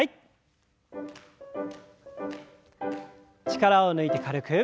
力を抜いて軽く。